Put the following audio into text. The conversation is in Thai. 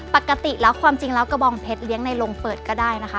ปกติแล้วความจริงแล้วกระบองเพชรเลี้ยงในโรงเปิดก็ได้นะคะ